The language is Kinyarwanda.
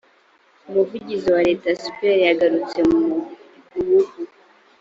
umuvugizi wa leta c p r yagarutse mu guhugu